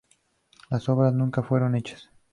Las obras nunca fueron hechas.